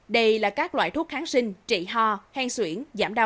đây là các loại thuốc kháng sinh trị ho hen xuyển